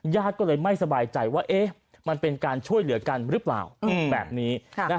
ญาติก็เลยไม่สบายใจว่ามันเป็นการช่วยเหลือกันหรือเปล่าแบบนี้